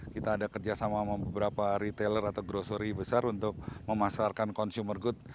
kita ada kerjasama sama beberapa retailer atau grocery besar untuk memasarkan consumer good